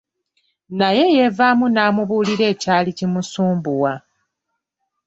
Naye yeevaamu n'amubuulira ekyali kimusumbuwa.